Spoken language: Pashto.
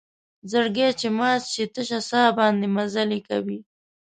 زړګۍ چې مات شي تشه سا باندې مزلې کوي